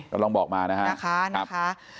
ก็ลองบอกมานะคะ